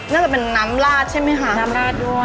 น่าจะเป็นน้ำราดใช่ไหมคะ